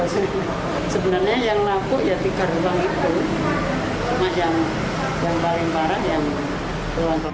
sudah tua sebenarnya yang laku ya tiga ruang itu cuma yang paling parah yang beruang kelas